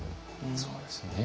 そうですよね。